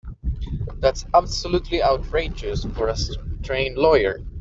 That's absolutely outrageous for a trained lawyer.